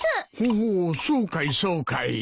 おおそうかいそうかい。